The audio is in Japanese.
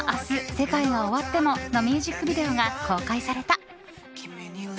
世界が終わっても‐」のミュージックビデオが公開された。